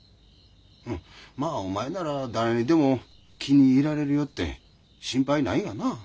うんまあお前なら誰にでも気に入られるよって心配ないがな。